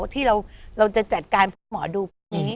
ที่เราจะจัดการหมอดู